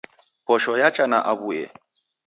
Posho yacha na awuye